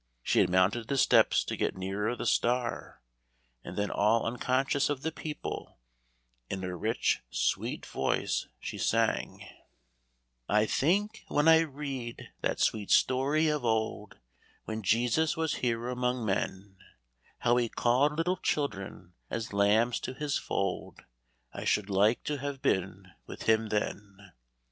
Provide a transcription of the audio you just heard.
She had mounted the steps to get nearer the star, and then all unconscious of the people, in a rich, sweet voice, she sang: I think, when I read that sweet story of old, When Jesus was here among men; How He called little children, as lambs to His fold; I should like to have been with Him then.